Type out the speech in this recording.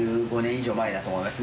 以上前だと思います。